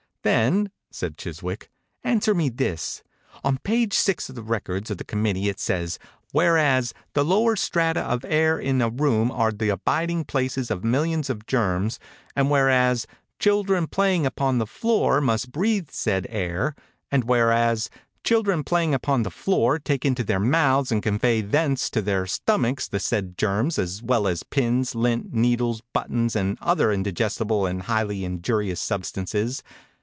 "Then," said Chiswick, "an swer me this. On page six of the records of the committee it says: * Whereas, the lower strata of air in a room are the abiding places of millions of germs; and where as, children playing upon the floor must breathe the said air; and whereas, children playing upon the floor take into their mouths and convey thence to their stom 48 THE INCUBATOR BABY achs the said germs, as well as pins, lint, needles, buttons, and other indigestible and highly in jurious substances.